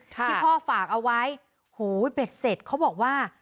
ที่พ่อฝากเอาไว้โหยเบ็ดเสร็จเขาบอกว่า